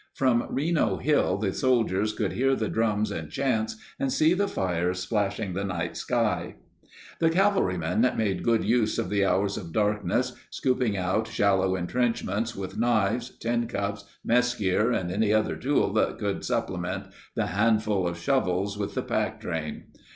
From Reno Hill the soldiers could hear the drums and chants and see the fires splashing the night sky. The cavalrymen made good use of the hours of darkness, scooping out shallow entrenchments with knives, tin cups, mess gear, and any other tool that could supplement the handful of shovels with the pack train.